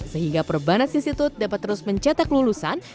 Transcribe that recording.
sehingga perbanas institut dapat terus mencetak lulusan